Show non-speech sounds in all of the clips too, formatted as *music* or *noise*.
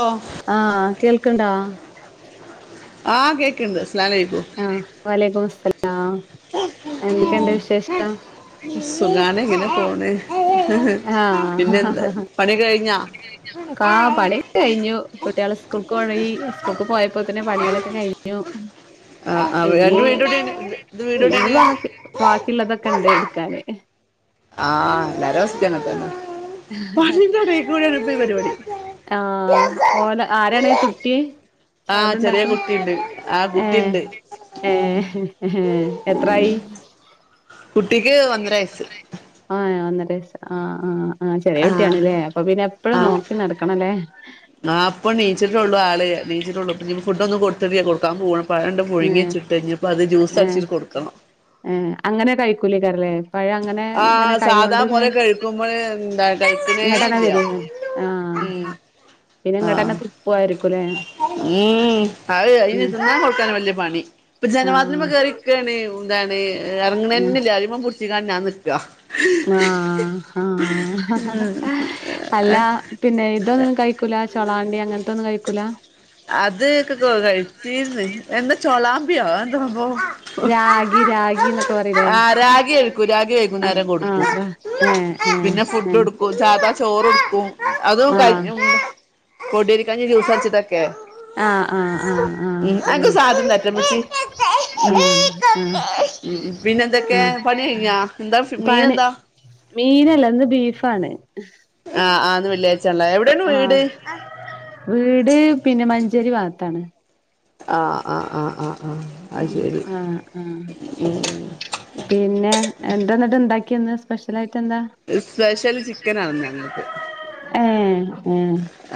ഓ ആ കേൾക്കണ്ടാ ആഹ കേക്കണ്ട് ആ വലയ്ക്കുമുസ്സലാം എന്തൊക്കണ്ട് വിശേഷം സുഖാണ് ഇങ്ങനെ പോണ് ആ പിന്നെ എന്ത് പണി കഴിഞ്ഞാ ആ പണിയൊക്കെ കഴിഞ്ഞു കുട്ടികളെ സ്കൂൾക്കോണവഴി സ്കൂൾക്ക് പോയ ഇപ്പൊ തന്നെ പണികളൊക്കെ കഴിഞ്ഞു ആ ആ ഇനി അന്റെ വീടോടെണ് ഇത് വീടോടെണ് കണ്ടടുക്കാന് ആ എല്ലാരവസ്ഥങ്ങൻത്തന്ന പണിന്റെ എടേകൂടെണ് ഇപ്പ ഈ പരിപാടി ആഹ് ഓല ആരാണ് കുട്ടി ആ സൗണ്ട് ചെറിയ ഉണ്ടാക്ക്ണ കുട്ടിണ്ട് ആ ഏ കുട്ടിണ്ട് ഉം ഏ എത്രായി കുട്ടിക്ക് ഒന്നര വയസ്സ് യസ്സ് ആ ആ ആ ചെറിയ കുട്ടിയാണ്ല്ലേ അപ്പൊ പിന്നെ എപ്പഴു ആ നോക്കി നടക്കണല്ലേ എ ആ പ്പൊ ണീച്ചിട്ടുള്ളൂ ആള് ണീച്ചിട്ടള്ളൂ പിന്നെ ഫുഡ് ഒന്നും കൊട്ത്തിട്ടില്ല കൊട് ക്കാൻ പോണം ഏ എ അടിച്ചിട്ട് കൊടുക്കണം എ അങ്ങനെ കഴിക്കൂലേ കാരല്ലേ പഴ അങ്ങനെ ആ ഇങ്ങനെ സാധാ കൈയോണ്ട് ഇങ്ങ പോലെ കഴിക്കുമ്പോൾ എന്താ കഴിക്കണേ ഇങ്ങട്ടന്നെ ഇല്ല വരെ ആ ഉം പിന്നെ ആ ഇങ്ങട്ടന്നെ തുപ്പുവാ ഉം അത് അയിനി ഉം തിന്നാ കൊട്ക്കാന് വല്യ പ പണി ഇപ്പൊ ജനവാദിൽമ്മെ ആഹ് കേറിക്കാണേ ഓ ന്താണ് എർങ്ങണന്നല്ല അയ്മ്മെ പുട്ച്ച് ചികാണ് ഞാൻ നിക് ആ ആ അല്ല പിന്നെ ഇതൊന്നും കഴിക്കൂല ചൊളാ അത് കൊക്കെ കഴിച്ചീര്ന്ന് എന്താ ചോളാമ്പിയോ രാഗി രാഗി എന്നൊക്കെ പറയിലേ *unintelligible* ആ രാഗി കഴിക്കും രാഗി ആഹ് വൈകുന്നേരം കൊടുക്കും ആഹ് ഏഹ് ഏഹ് പിന്നെ ഏഹ് ഫുഡൊടുക്കും സാധാ ചോറ്ടുക്കും അതും ആഹ് കഞ്ഞി പൊടിയേരിക്കഞ്ഞി ജ്യൂസട്ച്ച്ട്ടൊക്കെ ക്കെ ആഹ് ആഹ് ആഹ് ആഹ് ഉം ഉം ആഹ് ആഹ് ആഹ് ഉം ഉം പിന്നെന്തൊക്കെ ആഹ് പണി കഴിഞ്ഞോ എന്താ മീൻ പണി എന്താ മീനല്ല ഇന്ന് ബീഫാണ് ആ ആ ഇന്ന് വെള്ളിയാഴ്ചയാണല്ലേ എവിടെയാണ് വീട് ആഹ് വീട് പിന്നെ മഞ്ചേരി ഭാഗത്താണ്. ആഹ് ആഹ് ആഹ് ആഹ് ആഹ് അത് ഉം ശരി ആഹ് ആഹ് പിന്നെ എന്താന്ന്ട്ട് എന്താ ഉണ്ടാക്കിയെന്ന് സ്പെഷ്യൽ ആയി സ്പെഷ്യൽ ചിക്കൻ ആണ് ഇന്ന് ഞങ്ങൾക്ക്. ഏഹ് ഏഹ്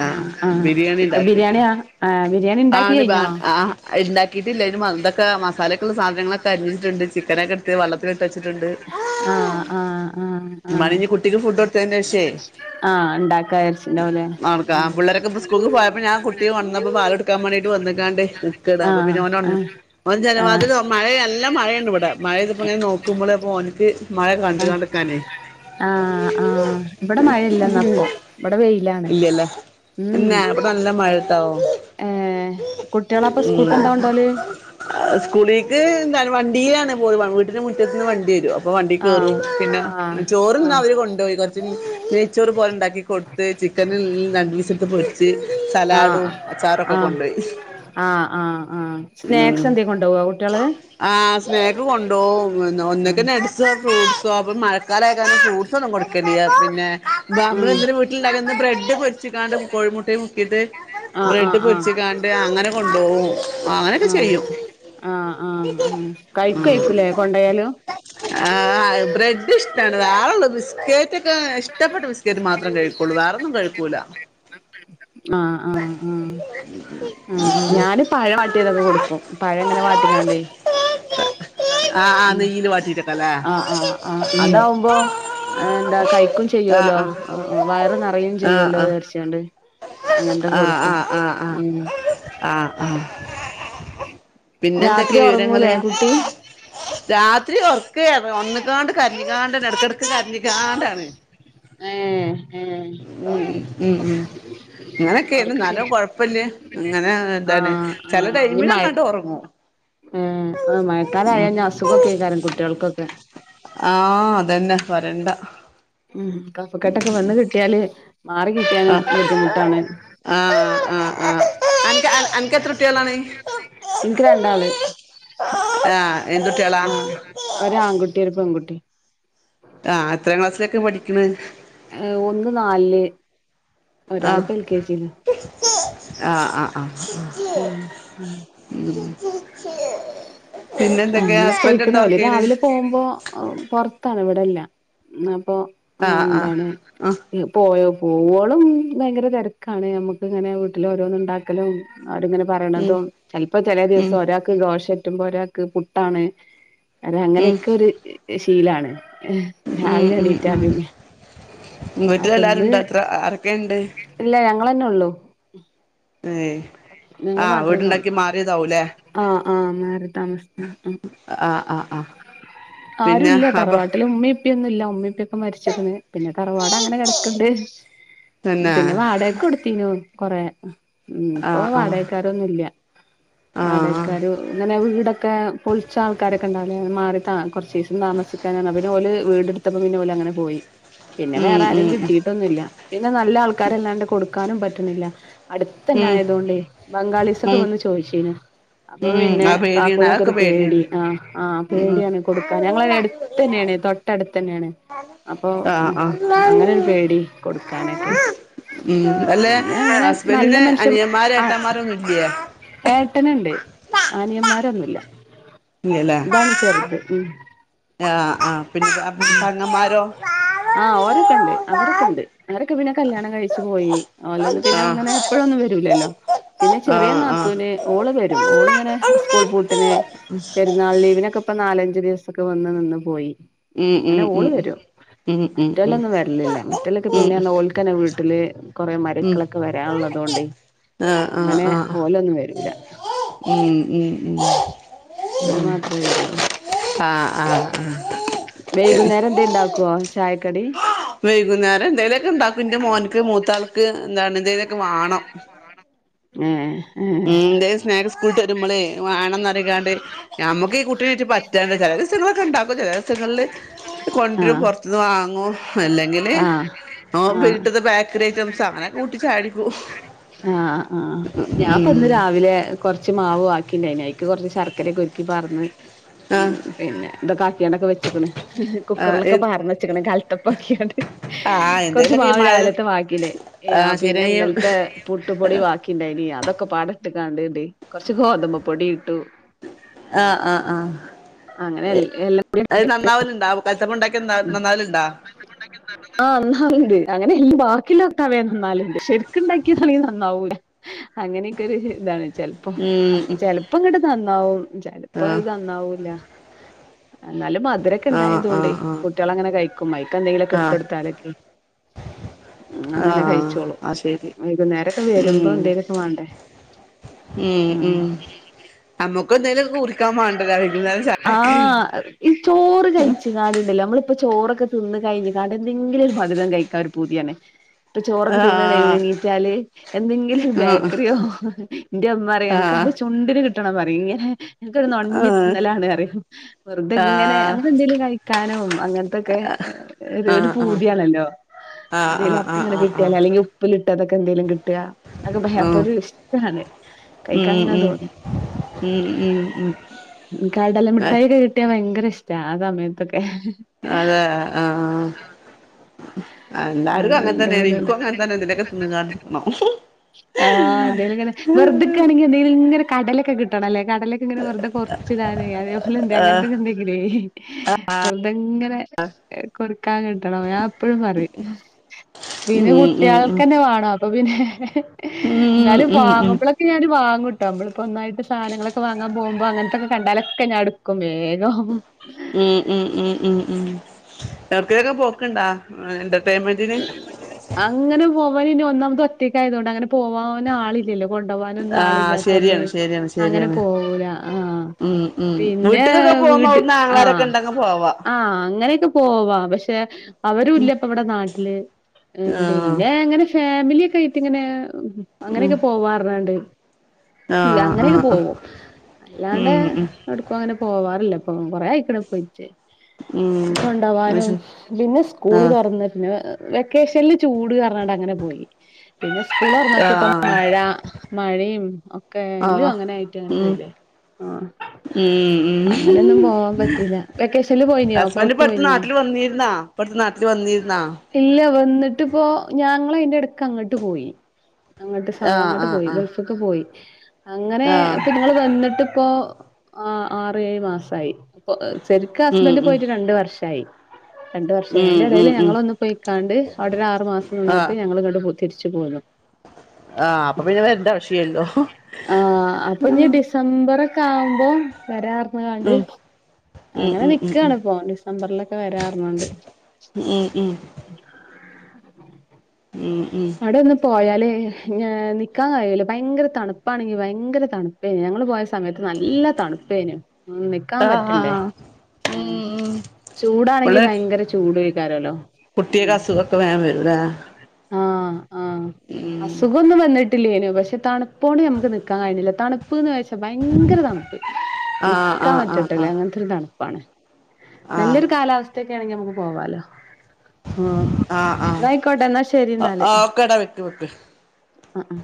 ആഹ് ബിരിയാണി ചിക്കൻ ഉണ്ടാക്കിയിട്ട് ബിരിയാണിയാ ആഹ് ബിരിയാണി ഇണ്ടാക്കി ആണ് വാ കഴിഞ്ഞോ ആ ഉണ്ടാക്കിയിട്ടില്ല അതിനു മന്തയൊക്കെ മസാലക്കുള്ള സാധനങ്ങളൊക്കെ അരിഞ്ഞിട്ടുണ്ട് ചിക്കൻ ആഹ് ആഹ് ആഹ് ആഹ് ഉമ്മാനെനി കുട്ടിക്ക് ഫുഡ് കൊടുത്തേനു ശേഷം ട്ട് ആഹ് ഇണ്ടാക്കാ വിചാരിച്ചിണ്ടാവുല്ലേ ആട്ക്കാ പിള്ളേരൊക്കെ ഇപ്പൊ സ്കൂൾക്ക് പോയപ്പ ഞാൻ കുട്ടിയെ ഒൺന്നപ്പോ പാലൊടുക്കാൻ മാണ്ടിട്ട് വന്ന്ങ്ങാണ്ട് നിക്കടാ അപ്പ ആഹ് പിന്നെ ഓനൊൺ. ആഹ് ഓൻ ജന ആഹ് വാതിലൊ മഴെ അല്ല മഴയാണ് വടെ. മഴയ്തപ്പൊങ്ങനെ നോക്കുമ്പള് ഓൻക്ക് മഴ കണ്ട് ആഹ് ആഹ് കണ്ട് ക്കാനെ ആഹ് ആഹ് ഇവിടെ മഴയില്ലന്നപ്പോ ഇവിടെ വെയിലാണ് ഇല്ലലെ ഉം അന്നെ ബടെ നല്ല മഴ ട്ടോ. ഏഹ് കുട്ടികളപ്പൊ സ്കൂൾക്ക് മ്മ് എന്താ കൊണ്ടോല് സ്കൂളീക്ക് ഞാൻ വണ്ടിലാണ് പോയ് വ. വീട്ട്നു മുറ്റത്ത്ന്ന് വണ്ടിരോ ഇപ്പോ വണ്ടീ ആഹ് കേറും പിന്നെ ആഹ് ചോറിന്ന് ആഹ് അവര് കൊണ്ടുപോയി കുറച്ചു നെയ്ച്ചോർ പോലെ ഉണ്ടാക്കിക്കൊടുത്ത്, ചിക്കനിൽ രണ്ടു പീസ് എടുത്ത് പൊരിച്ച് സലാഡും ആഹ് അച്ചാർ ഒക്കെ ആഹ് കൊണ്ടുപോയി ആഹ് ആഹ് ആഹ് ഉം സ്നാക്സ് എന്തേ കൊണ്ടോവോ കുട്ടികള് ആഹ് സ്‌നേക്ക് കൊണ്ടുപോകും ഒന്നെക്കെന്ന് അടി ഇച്ച് ഫ്രൂട്ട്സോ അപ്പൊ മഴ ക്കാലായാക്കങ്ങനെ ഫ്രൂട്ട്സ് ഒന്നും കൊടുക്ക ഇല്ല പിന്നെ എന്താ ആഹ് ആഹ് നമ്മള് എന്തേലും വീട്ടിൽ ഉണ്ടാക്കുന്ന ബ്ര ഇച്ച് പൊരിച്ചിങ്ങാണ്ട് കോഴിമുട്ടയ് മുക്കിട്ട് ആഹ് ആഹ് ബ്രെഡ് ആഹ് പൊരിച്ചങ്ങാണ്ട് അങ്ങനെ കൊണ്ടുപോകും. അങ്ങനെയൊക്കെ ആഹ് ചെയ്യും ആഹ് ആഹ് ഉം ഉം കഴിക്കുവായിരിക്കൂല്ലേ കൊണ്ടായാലും. ടെഒരാളുള്ളത് ബിസ്ക്കറ്റ് ഒക്കെ ഇഷ്ടപ്പെട്ട ബിസ്ക്കറ്റ് മാത്രം കഴിക്കുള്ളൂ വേറെയൊന്ന് കഴിക്കൂല്ല. ആഹ് ആഹ് ആഹ് ഉം ഞാന് ഈ പഴം വാട്ടിയതൊക്കെ കൊടുക്കും പഴം ഇങ്ങനെ വാട്ടിക്കാണ്ട്. ആഹ് ആഹ് നെയ്യില് വാട്ടിട്ടൊക്കെ ല്ലേ ഉം മ്പോ ഏഹ് എന്താ കഴിക്കൂം ചെയ്യുവല്ലോ ആഹ് ഉം ഉം വയറു നിറയും ആഹ് ആഹ് ചെയ്യുവല്ലോ ആഹ് വിചാരിച്ചു കൊണ്ട്. ആഹ് ആഹ് ആഹ് ഉം ആഹ് ആഹ് ആഹ് പിന്നെ രാത്രി എന്തൊക്കെ വിവരങ്ങള് ഉറങ്ങൂലേ കുട്ടി രാത്രി ഉറക്കേ വന്ന് നിക്കാണ്ട് കരഞ്ഞ്ക്കാ എടക്ക് എടയ്ക്ക് കരഞ്ഞിക്കാണ്ടാണ്. ഏഹ് ഏഹ് ഏഹ് ഉം ഉം അങ്ങനൊക്കെയാണ് അവർക്ക് എന്നാലും കൊഴപ്പല്ല അങ്ങനെ *unintelligible* എന്താണ് ആഹ് ചെല ആഹ് ഇഞ് ടൈമില് അങ്ങട്ട് ഒറങ്ങും ഏഹ് മഴക്കാലായ അസുഖൊക്കേക്കാരം കുട്ട്യേൾക്കൊക്കെ ആഹ് അതന്നെ പറണ്ട ഉം കപ്പക്കെട്ടൊക്കെ വന്ന് കിട്ടിയാല് മാറി കിട്ടിയാന് ആഹ് ബുദ്ധിമുട്ടാണ് ആഹ് ആഹ് ആഹ് അനക്ക് അനക്ക് എത്ര കുട്ടികളാണ് ഇൻക്ക് രണ്ടാള് ആഹ് എന്തുട്ടികളാ ആഹ് ഒരാൺകുട്ടി ഒരു പെൺകുട്ടി ആഹ് എത്രാം ക്ലാസ്സിലൊക്കെ പഠിക്ക്ണ് ഒരാള്പ്പെ എൽ കെ ജില് ആഹ് ആഹ് ആഹ് ആഹ് ഉം ശക്ഷേ *unintelligible* അങ്ങനെ പോയിക്കണ പോലേ രാവിലെ പോകുമ്പോ പുറത്താണ് ഇവിടെല്ല ആ അപ്പോ ആഹ് ആഹ് എന്താണ് ആഹ് പോയോ പോളും ഭയങ്കര തിരക്കാണ് നമ്മുക്ക് ഇങ്ങനെ വീട്ടില ഓരോന്ന ഉണ്ടാക്കലും അവിടെങ്ങനെ ഉം പറയണതും ചിലപ്പോ ചില ഉം ദിവസം ഒരാൾക്ക്ഘോഷ അത്ത്പ *unintelligible* പുട്ടാണ് അത് ഉം അങ്ങനെയൊക്കെ ഒരു ശീലാണ് ഉം രാവിലെ ഉ എണീറ്റാ ഉ പിന്നെ വീട്ടില അപ്പൊ എല്ലരുണ്ട് അത്ര ആരൊക്കെുണ്ട് അങ്ങന്നെ ഉള്ളൂ ഏ ഞങ്ങള് മാത്രേ ആഹ ആഹ മാറി താമസിച്ച ആഹ് ആഹ് ആഹ് ആരു പിന്നെ ഇല്ല അപ്പൊ തറവാട്ടില് ഉമ്മ, ഉ പ്പിയൊന്നും ഇല്ല ഉമ്മ, ഉപ്പിക്കെ മരിച്ചിരിക്കന്ന് പിന്നെ തറവാട അങ്ങനെ കിട ഉണ്ട് പിന്നെ വാടയൊക്കെ കൊടുത്തനു കൊറെ ഉ ഇപ്പൊ ആഹ് ആഹ് വാടകക്കാരൊന്നുംല്ല ആഹ് വാടാക്കാര് ഇങ്ങനെ വീടൊക്കെ പൊളിച്ച ആൾക്ക രൊെ *unintelligible* ഉണ്ട മാറി കുറ സീസൻ താമസിക്കാനാണ് അന്ലല് വീടെടുത്തപ്പ പിന്നെ പോലെ അങ്ങനെ പോയി പിന്നെ ഉം വേറെ ആാരും ഉം കിട്ടീട്ടൊന്നുംില്ല പിന്നെ നല്ല ആൾക്കാരല്ലാണ്ട് കൊടുക്ക കൊടുക്കാനും പറ്റണില്ല അടുത്തുന്നെ ഉം ആയതു കൊണ്ടേ ഉം ബംഗാളിസ്ക്കെവന്ന് ചോദിച്ചിനു അപ്പോ ഉം അത് പിന്നെകാക്കു പേടിയാണ് അതൊക്കെ നൊക്കെയൊരു പേടി. പേടിയാണ് ആ ആ ഉം പേടിയാണ് കൊടുക്കാന്. ഞങ്ങളുടെ അടുത്ത് തന്നെയാണ് തൊട്ടടുത്ത് തന്നെയാണ്. ആ ആ ഒരു പേടി കൊടുക്കാനൊക്കെ ഉം. അല്ലേ പിന്നെ അങ്ങനെ നല്ല ഹസ്ബൻറിന് മനുഷ്യൻ അനിമാരും ആ ഏട്ടമാരൊന്നു ഇല്ലിയേ? ഇല്ല ഇതാണ് ചെറുത് ഉം. ആഹ് ആഹ് പിന്നെ പെങ്ങന്മാരോ ആ ഒരൊക്കെ ഉണ്ട്. അവരൊക്കെയുണ്ട്. അവരൊക്കെ പിന്നെ കല്യാണം കഴിച്ചു പോയി. ഓലത് പിന്നെ അങ്ങനെ ആഹ് എപ്പഴും ഒന്നും വരൂല്ലല്ലോ. പിന്നെ ചെറിയ ആഹ് ആഹ് നാത്തൂന് ഓൾ വരും. ഓളിങ്ങനെ സ്കുൾ പോയി. പിന്നെ പെരുന്നാൾ ലിവിനൊക്കെ ഇപ്പം നാല ഒരു ദിവസ ഒക്കെ വന്ന് നിന്ന് പോയി. ഉം അങ്ങനെ ഉം ഉം ഓള് വരും ഉം ഉം ഉം മറ്റോലൊന്നുവരലില്ല മറ്റേല്ക്ക് ഉം പിന്നെ ഓൾക്ക് തന്നെ വീട്ടില് കുറെ ഉം മരുക്കളൊക്കെ വരാഉള്ളതുണ്ടേ ആഹ് ആഹ് അങ്ങനെ ആഹ് ഓല് ഒന്നും വരൂല്ല. ഉം ഉം ഉം ഇവര് മാത്ര വേരുള്ളു. ആഹ് ആഹ് ആ ആഹ് ആ വൈകുന്നേരം എന്തേ ഉണ്ടാക്കുവാ ചായ കടി വൈകുന്നേരം എന്തേലും ഒക്കെ ഉണ്ടാക്കും എന്റെ മോന്ക്ക് മൂത്താൾക്ക് എന്താണിത് എ ക്ക് വാണം ഏ ഏ എന്തേലും സ്റ്റാക്സ് സ്കൂൾ വിട്ട് വരുമ്പളേ വേണം ക്കാണ്ട് നമ്മുക്ക് ഈ കുട്ടിനെ ഇട്ട് പറ്റാണ്ട് ചില ദിവസം വല്ലോം ഉണ്ടാക്കു. ചില ദിവസങ്ങളില് കൊണ്ടുവരും ആഹ് പുറത്തൂന്ന് വാ അങ്ങോ അല്ലങ്കില് ആഹ് നോമ്പ് ആഹ് കിട്ടുന്ന ബേക്കറി ഐറ്റംസ് അങ്ങനെ കൂട്ടി ചാടി പോകും. ഞാൻ പിന്നെ രാവിലെ കുറച്ച് മാവ് മാവ് ആക്കി നനായിക്ക് കുറച്ച് ശർക്കരയൊക്കെ ഉരുക്കി പകർന്ന് മൂ ആഹ് പിന്നെ ഇത്ക്കെ ആക്കിഓണ്ട്ക്ക് വെച്ച്കേന് ആഹ് എ കുക്കാറിലൊക്കെ പകർന്ന് ക്ക്ണ് കൽത്തപ്പം ആക്കിയോണ്ട് ആഹ് കുറച് എന്തേലൊക്കെ ഈ മാവ് മഴ രാവിലത്തെ ബാക്കിലേ ആഹ് പിന്നെ ശരിയായും ഇന്നലത്തെ പുട്ടുപൊടി ബാക്കിയുണ്ടായിനു. എയ് അതൊക്കെ പാട് എടുക്കാണ്ട് കുറച്ച് ഗോതമ്പുപൊടിയിട്ടു ആ ആ ആ അങ്ങനെ എല്ലാം നന്നാവലുണ്ടുവും കലത്തപ്പം ഉണ്ടാക്കിയ നന്നാ നന്നാ യിണ്ടാ ആം അങ്ങാന്ണ്ട് അങ്ങനെ *unintelligible* ന്നാലൊണ്ട് ഷെരിക്കൊണ്ടാക്കിയാതാണേൽ നന്നാവൂലാ. അങ്ങെനെയെക്കെരുയിതാണ്. ചെലപ്പോ ഉം ഉം ചെലപ്പം ഇവിടെ നന്നാവൊ ആഹ് ചെലപ്പയിത് നന്നാവൂലാ. എന്നാലും ആഹ് മധുരൊക്കൊണ്ടായതോണ്ടേ ആഹ് ആഹ് കുട്ടികളങ്ങനെ കഴി മൈക്കെന്തേങ്കിലുക്കെ ആഹ് ഇട്ടുട്ത്താല് മ് ഉം അങ്ങനെ ആഹ് കഴിച്ചോളും ആഹ് ശരി വെകുന്നേരൊക്കെ വരുമ്പം ഉം എന്തേലൊക്കെ വാണ്ടേ ഉം ഉം നമ്മുക്ക് എന്തേലുംക്കെ കുറിക്കാൻ വേണ്ടല്ലോ വൈകുന്നേരം ആ ആ ചായക്ക് ഈ ചോറ് കഴിച്ച്ങ്കാണ്ട്ണ്ടല്ലൊ നമ്മള് ഇപ്പ ചോറെക്കെ തിന്ന് കഴിഞ്ഞ്ക്കാണ്ട് എന്തെങ്കിലൊരു മധുരം കഴിക്കാ പൂതിയാണ്. ട്ട് ചോറെക്കെ തിന്നാണ്ട് എണി ആഹ് എണീറ്റാല് എന്തെങ്കിലു ആഹ് ബേക്കറിയോ ഇന്റെമ്മർയും അനക്ക് ആഹ് അന്റ ചുണ്ടിന് കി ട്ടണം പറയിങ്ങനെ അന്ക്കൊരു നൊണ്ഞ്ഞ് ആഹ് തിന്നലാണ് അറിം. വെറുതെയിങ്ങനെ ആഹ് അങ്ങത്തെയെന്തേലും കഴിക്കാനും അങ്ങത്തൊക്കെ ഏ ഒര് ഒരു ആഹ് ആഹ് പൂതിയാണല്ലോ. ആഹ് എന്തേലു ആഹ് അപ്പങ്ങനെ ആഹ് ആഹ് ആഹ് കിട്ടിയാല് അല്ലങ്കില് ഉപ്പില് ട്ടതൊക്കെ എന്തേലും കി ട്ടിയാ അത് ഭഹെ ഉം അപ്പൊരിഷ്ട്യാണ്. ഉം കഴിക്കാങ്ങത്തോന്നും ഉം ഉം ഉം ഉം ഉം കടലമുട്ടായൊക്കെ കിട്ടിയാ ഭയങ്കര ഇഷ്ടാ ആ സമയത്തൊക്ക് അതെ ആഹ് എല്ലാർക്കും അങ്ങനെ തന്നെയാണ് അതുണ്ടാവുല്ലാന്ന് എനിക്കും അങ്ങനെ തന്നെ എന്തെലൊക്കെ തിന്ന്കാണ്ടിരിക്കണം ആ എന്തേലുങ്ങനെ വെറുതിരിക്കാണേങ്കി എന്തെലുങ്ങനെ കടലക്കെക്കിട്ടണം. കടലക്കെങ്ങനെ വെറ്തെക്കൊറ്ച്ചിടാനേ. അതേപ്പോലെന്തെ അങ്ങത്തൊക്കെ എന്തേങ്കിലെ വെറുതെങ്ങനെ കൊറിക്കാൻ കിട്ടണം ഞാനെപ്പഴും പറയും. - വിനു ഉം ഉം ഉം കുട്ടിയാൾക്ക്തന്നെവേണമപ്പപ്പിന്നെ. - ഉം എന്നാലും ഉം ഉം ഉം വാങ്ങുമ്പളക്കെ ഞാനരിവാങ്ങു നമ്മെളിപ്പൊഒന്നായിട്ട് സാധനങ്ങളൊക്കെ വാങ്ങാപോകുമ്പോഅങ്ങനെത്തെക്കെ കണ്ടാല് ഞാനെടുക്കും വേഗം- മ് മ് മ് മ് മ്. അക്കയൊക്കെപ്പൊക്കുണ്ടോ എന്റെർറ്റെമെന്റിന്? പോവയില്ലൊന്നാമത് ഒറ്റക്കായത്ക്കൊണ്ട്. അങ്ങെനെപ്പോവാനാളില്ലല്ലോ.? കൊണ്ടുപോവാനൊന്നും ആഹ് ആളില്ലാത്തൊണ്ടേ. ശരിയാണ് ശരിയാണ് അങ്ങെനെ ശരിയാണ് പോവൂല്ല. ആഹ് ഉം ഉം പിന്നെ വീട്ട്ക്കൊക്കെ പോകുമ്പോ വിട് അവിടുന്ന് ആ ആങ്ങളാരൊക്കെ ഉണ്ടെങ്കി പോവാ ആ അങ്ങെനെയെക്കെ പോവാം പക്ഷെ- ക്ഷേ ആവരുമില്ല ഇപ്പോ ഇവിടെ നാട്ടില് ആഹ് പിന്നെ ഇങ്ങനെ ഷേ *unintelligible* ആയിട്ടിങ്ങനെ ഉം ഉം അങ്ങനെയൊക്കെ പോവാറണ്ട് അല്ല ആഹ് അങ്ങനെയൊക്കെ ആഹ് ആഹ് പോകും അല്ലാണ്ട് ഉം ഉം എവിട്ക്കും അങ്ങനെ പോവാറില്ല- ഉം കൊറേ ആയിക്കണ് പോയിട്ട്- ഉം അത് കൊണ്ടോവാനും- ശരി പിന്നെ സ്കൂള് ആഹ് തൊറന്നേ പിന്നെ ഏഹ് വെക്കേഷനില് ചൂട് കാരണണ്ട് അങ്ങനെ പോയി പിന്നെ സ്കൂള് തുറന്നിട്ടിപ്പം ആഹ് മഴ മഴയും ഒക്കെയായി എല്ലും ആഹ് അങ്ങനെയായിട്ട് അങ്ങനെ ഉം പോയില്ലേ ആഹ് ഉം ഉം അങ്ങനൊന്നും പോകാൻ പറ്റിയില്ല വെക്കേഷനില് പോയില്ലിയോ പുറത്തു പോയില്ലിയോ നാട്ടില് വന്നിരുന്നാ ഇപ്പം അടുത്ത് നാട്ടില് വന്നിരുന്നോ ല്ല വന്നിട്ടിപ്പം ഞങ്ങള് ഇതിന്റെ ഇടയ്ക്ക് അങ്ങട്ട് പോയ്‌ അങ്ങട്ട് സ ആഹ് അങ്ങട്ട് ആഹ് പോയ്‌ ആഹ് ഗൾഫ്ഒക്കെ പോയ്‌ അങ്ങനെ ആഹ് ഇപ്പം ഇത്ങ്ങള് വന്നിട്ട് ഇപ്പൊ ആറേഴു മാസായ് പ്പൊ ശെരിക്ക് ഉം ഹസ്ബൻഡ് ഉം പോയിട്ട് രണ്ട് വർഷായി രണ്ട് വർഷായി ഉം അതിന്റെ ഉം ഇടയില് ഉം ഞങ്ങളൊന്ന് പോയ്‌ കണ്ട് അവിടെ ഒരു ആറ് മാസം ആഹ് നിന്നിട്ട് ഞങ്ങള് ഇങ്ങട് പോ തിരിച്ചു പോന്നു ആഹ് അപ്പം പിന്നെ വരണ്ട ആവശ്യം ഇല്ലാല്ലോ ഉം ക്കാവുമ്പം വരാം ക്കാണ്ട് ഉം അങ്ങനെ ഉം ഉം നിക്കാണ് ഇപ്പം ഡിസംബറിൽ ഒക്കെ വരാ ഉം ഉം ഉം ഉം ഉം അവിടൊന്നു പോയാ ല്ലേ ഞാൻ നിക്കാൻ കഴിയില്ല ഫയങ്കര തണുപ്പേനി ഫയങ്കര തണുപ്പേ ഞങ്ങള് പോയ സമയത്ത് നല്ല തണുപ്പേനു ഉം നിക്കാൻ പറ്റണ്ടേ ആഹ് ഉം ചൂടാണെങ്കി ഫയങ്കര ചൂട് ക്കാരല്ലോ കുട്ടികക്ക് അസുഖം ഒക്കെ വേഗം വരുവല്ലേ ആഹ് ആഹ് അസുഖം ഒന്നും വന്നി ട്ടില്ലേനു പക്ഷെ തണു പ്പ് കൊണ്ട് നമ്മക്ക് നിക്കാൻ കഴിയില്ല തണു തണുപ്പ് ന്ന് വെച്ചാൽ ഭയങ്കര തണുപ്പ് ആഹ് നിൽക്കാൻ ആഹ് പറ്റത്തില്ല ആഹ് അങ്ങനത്തെ ഒരു തണുപ്പ് *unintelligible* ആഹ് നല്ലൊരു കാലാവസ്ഥ അടുത്തൊക്കെ ആണെങ്കിൽ നമുക്ക് പോവാല്ലോ ആഹ് ആഹ് ന്നാ ആഹ് ആയിക്കോട്ടെ ന്നാ ശ ആഹ് ഒക്കെടാ വെക്ക് വെക്ക് ആഹ് ആഹ്